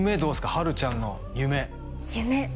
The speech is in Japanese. はるちゃんの夢夢